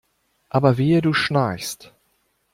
Aber wehe du schnarchst!